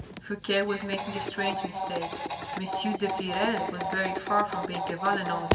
Fouque was making a strange mistake. M. de Frilair was very far from being a Valenod.